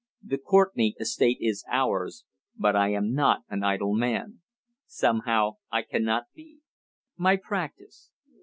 The Courtenay estate is ours; but I am not an idle man. Somehow I cannot be. My practice?